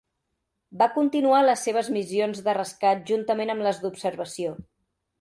Va continuar les seves missions de rescat juntament amb les d'observació.